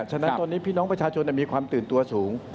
ฉะนั้นตอนนี้พี่น้องประชาชนมีความตื่นตัวสูง